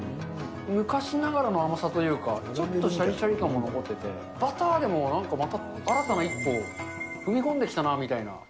昔ながらの甘さというか、ちょっとしゃりしゃり感も残ってて、バターでも、なんかまた新たな一歩を踏み込んできたなみたいな。